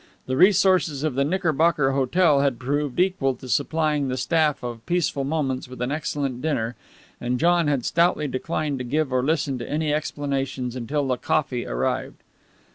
The resources of the Knickerbocker Hotel had proved equal to supplying the staff of Peaceful Moments with an excellent dinner, and John had stoutly declined to give or listen to any explanations until the coffee arrived.